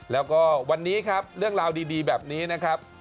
แล้วก็วันนี้ครับเรื่องราวดีแบบนี้นะครับ